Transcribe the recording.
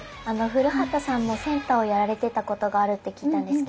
古畑さんもセンターをやられてたことがあるって聞いたんですけども。